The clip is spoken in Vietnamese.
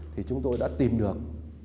thì chúng tôi đã tìm được